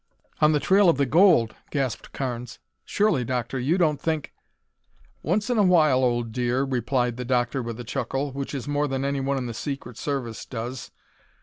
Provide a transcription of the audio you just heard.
"On the trail of the gold!" gasped Carnes. "Surely, Doctor, you don't think " "Once in a while, old dear," replied the Doctor with a chuckle, "which is more than anyone in the Secret Service does.